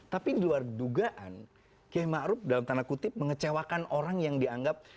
tapi di luar dugaan kiai ma'ruf dalam tanda kutip mengecewakan orang yang dianggap